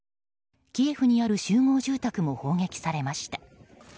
キエフにある集合住宅も砲撃されました。